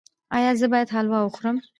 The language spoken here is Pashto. ایا زه باید حلوا وخورم؟